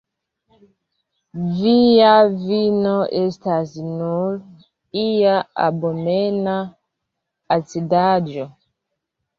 Via vino estas nur ia abomena acidaĵo.